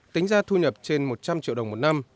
tính ra thu nhập trên một trăm linh triệu đồng một năm